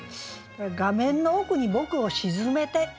「画面の奥に僕を沈めて」。